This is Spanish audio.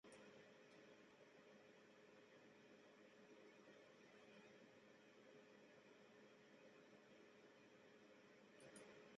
En ella se encuentra la capital, George Town.